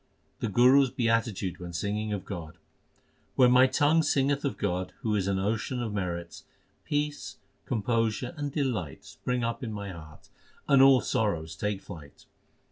The Guru s beatitude when singing of God : When my tongue singeth of God, who is an ocean of merits, Peace, composure, and delight spring up in my heart, and all sorrows take flight.